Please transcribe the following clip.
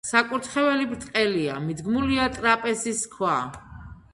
საკურთხეველი ბრტყელია, მიდგმულია ტრაპეზის ქვა.